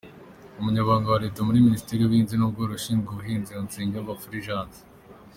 Umunyamabanga wa Leta muri minisiteri y’ubuhinzi n’ubworozi, ushinzwe ubuhinzi ni Nsengiyumva Fulgence.